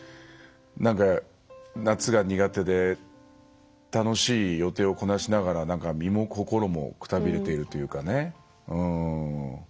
何か夏が苦手で楽しい予定をこなしながら身も心もくたびれているというかね。